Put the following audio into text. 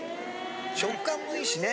食感もいいしね。